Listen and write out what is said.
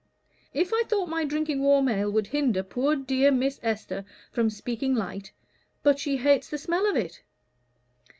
"If I thought my drinking warm ale would hinder poor dear Miss Esther from speaking light but she hates the smell of it."